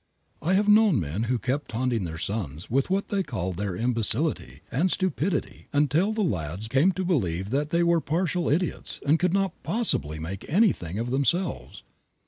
I have known men who kept taunting their sons with what they called their imbecility and stupidity until the lads came to believe that they were partial idiots and could not possibly make anything of themselves.